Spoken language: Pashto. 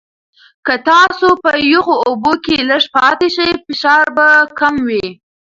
که تاسو په یخو اوبو کې لږ پاتې شئ، فشار به کم وي.